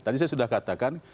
tadi saya sudah katakan